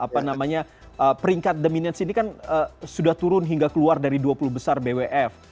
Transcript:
apa namanya peringkat dominions ini kan sudah turun hingga keluar dari dua puluh besar bwf